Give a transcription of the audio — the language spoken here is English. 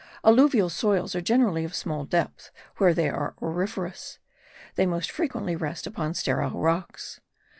Alluvial soils are generally of small depth where they are auriferous; they most frequently rest upon sterile rocks.